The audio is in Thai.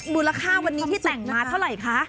มูลค่าวันนี้ที่แต่งมาเท่าไหร่คะ